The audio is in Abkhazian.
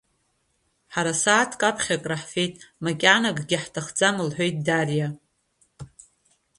Ҳара сааҭк аԥхьа акраҳфеит, макьана акгьы ҳҭахӡам лҳәеит Дариа.